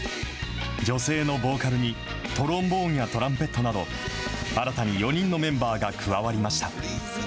女性のボーカルにトロンボーンやトランペットなど、新たに４人のメンバーが加わりました。